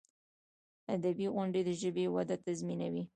ادبي غونډي د ژبي وده تضمینوي.